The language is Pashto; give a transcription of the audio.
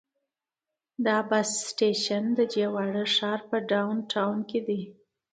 دا بس سټیشن د دې واړه ښار په ډاون ټاون کې دی.